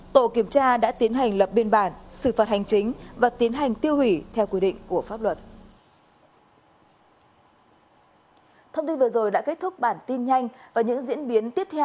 tổ kiểm tra đã tiến hành lập biên bản xử phạt hành chính và tiến hành tiêu hủy theo quy định của pháp luật